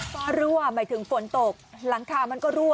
ฟ้ารั่วหมายถึงฝนตกหลังคามันก็รั่